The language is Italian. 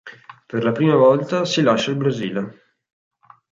Per la prima volta si lascia il Brasile.